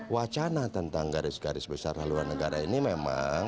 wacana tentang garis garis besar haluan negara ini memang